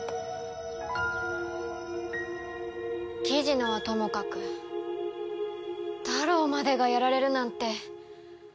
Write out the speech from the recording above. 雉野はともかくタロウまでがやられるなんて。